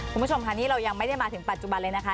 คุณผู้ชมค่ะนี่เรายังไม่ได้มาถึงปัจจุบันเลยนะคะ